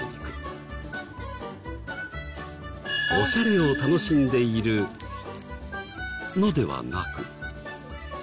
オシャレを楽しんでいるのではなく。